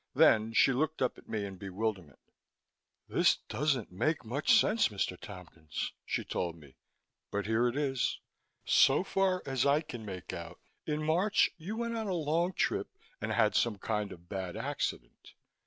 Then she looked up at me in bewilderment. "This doesn't make much sense, Mr. Tompkins," she told me, "but here it is. So far as I can make out, in March you went on a long trip and had some kind of bad accident.